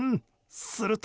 すると。